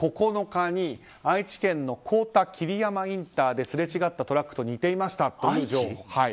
９日に愛知県の幸田桐山インターですれ違ったトラックと似ていましたという情報。